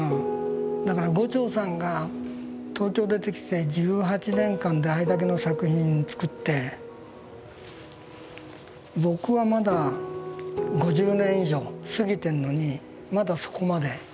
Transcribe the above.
だから牛腸さんが東京出てきて１８年間であれだけの作品作って僕はまだ５０年以上過ぎてんのにまだそこまでいってるかどうか。